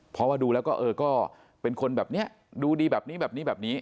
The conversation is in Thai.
เพราะว่าดูแล้วก็เออก็เป็นคนแบบนี้ดูดีแบบนี้แบบนี้แบบนี้